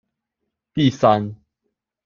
第三